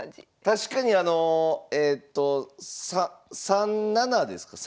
確かにあのえと３七ですか？